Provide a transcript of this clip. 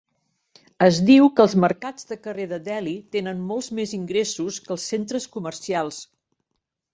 Es diu que els mercats de carrer de Delhi tenen molts més ingressos que els centres comercials.